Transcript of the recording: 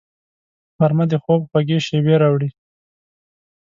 غرمه د خوب خوږې شېبې راوړي